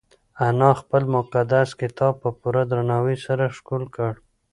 انا خپل مقدس کتاب په پوره درناوي سره ښکل کړ.